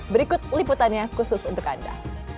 berikut liputannya khusus untuk anda